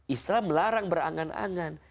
islam melarang berangan angan